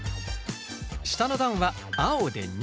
下の段は青で２。